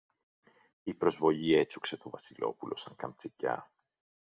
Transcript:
Η προσβολή έτσουξε το Βασιλόπουλο σαν καμτσικιά.